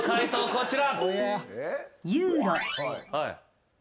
こちら。